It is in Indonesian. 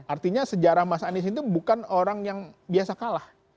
artinya sejarah mas anies itu bukan orang yang biasa kalah